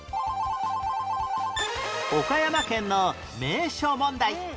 岡山県の名所問題